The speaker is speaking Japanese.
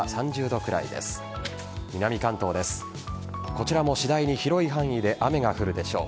こちらも次第に広い範囲で雨が降るでしょう。